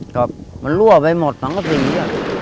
ก็มารั่วไปหมดสังสิงหญิง